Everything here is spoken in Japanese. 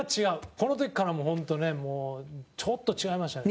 この時から、もう本当ねちょっと違いましたね。